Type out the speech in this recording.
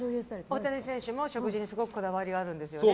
大谷選手も食事にすごくこだわりがあるんですよね。